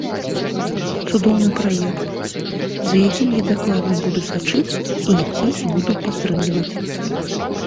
Цудоўны праект, за якім я дакладна буду сачыць і які буду падтрымліваць.